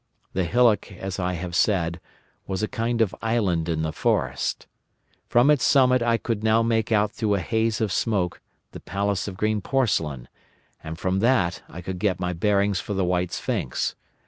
The hillock, as I have said, was a kind of island in the forest. From its summit I could now make out through a haze of smoke the Palace of Green Porcelain, and from that I could get my bearings for the White Sphinx.